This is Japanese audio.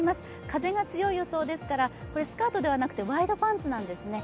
風が強い予想ですからこれ、スカートではなくてワイドパンツなんですね。